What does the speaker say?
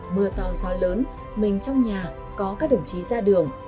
mưa to gió lớn mình trong nhà có các đồng chí ra đường